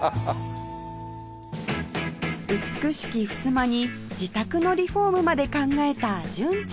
美しきふすまに自宅のリフォームまで考えた純ちゃん